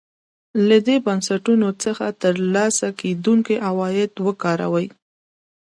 له دې بنسټونو څخه ترلاسه کېدونکي عواید وکاروي.